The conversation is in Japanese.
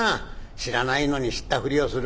知らないのに知ったふりをする。